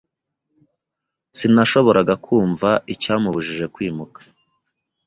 Sinashoboraga kumva icyambujije kwimuka.